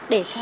để cho họ